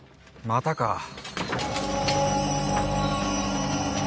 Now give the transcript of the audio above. またか。